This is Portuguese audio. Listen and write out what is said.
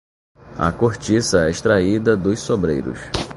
A cortiça é extraída dos sobreiros.